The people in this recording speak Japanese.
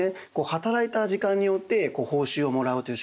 働いた時間によって報酬をもらうという仕組み。